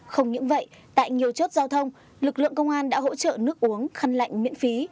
không những vậy tại nhiều chốt giao thông lực lượng công an đã hỗ trợ nước uống khăn lạnh miễn phí